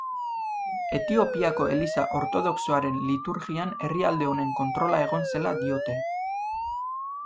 Etiopiako Eliza Ortodoxoaren liturgian herrialde honen kontrola egon zela diote.